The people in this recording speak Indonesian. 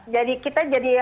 jadi kita jadi